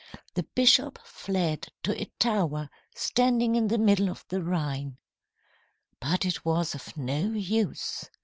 The bishop fled to a tower standing in the middle of the Rhine. But it was of no use!